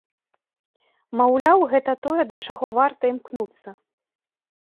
Маўляў, гэта тое, да чаго варта імкнуцца.